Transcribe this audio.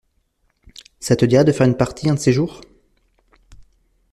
ça te dirait de faire une partie un de ces jours?